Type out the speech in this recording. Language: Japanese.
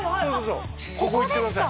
ここ行ってください